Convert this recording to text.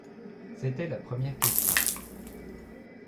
C’était la première question.